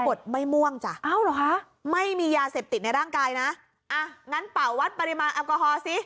ปวดไม่ม่วงจ้ะไม่มียาเสพติดในร่างกายนะงั้นเป่าวัดปริมาณแอลกอฮอล์สิ